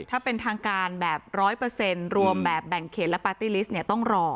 ถ้าเป็นทางการแบบร้อยเปอร์เซ็นต์รวมแบบแบ่งเขตและปาร์ตี้ลิสต์เนี่ยต้องรอ